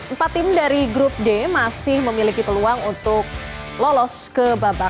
empat tim dari grup d masih memiliki peluang untuk lolos ke babak